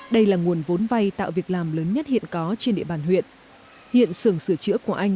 đây là nguồn vốn vay tạo việc làm lớn nhất hiện có trên địa bàn huyện hiện sưởng sửa chữa của anh